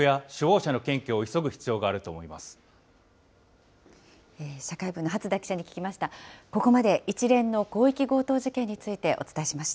社会部の初田記者に聞きました。